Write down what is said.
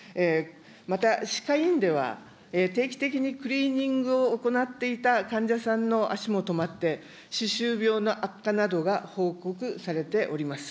また、歯科医院では定期的にクリーニングを行っていた患者さんの足も止まって、歯周病の悪化などが報告されております。